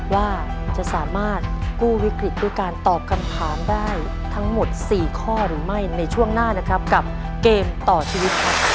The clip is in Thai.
ว่าจะสามารถกู้วิกฤตด้วยการตอบคำถามได้ทั้งหมด๔ข้อหรือไม่